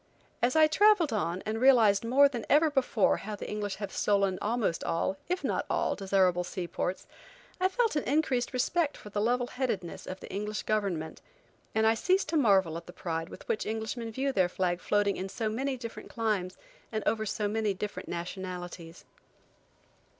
As I traveled on and realized more than ever before how the English have stolen almost all, if not all, desirable sea ports, I felt an increased respect for the level headedness of the English government, and I cease to marvel at the pride with which Englishmen view their flag floating in so many different climes and over so many different nationalities.